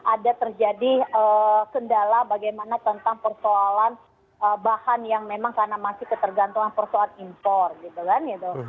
ada terjadi kendala bagaimana tentang persoalan bahan yang memang karena masih ketergantungan persoalan impor gitu kan gitu